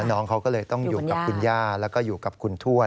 น้องเขาก็เลยต้องอยู่กับคุณย่าแล้วก็อยู่กับคุณทวด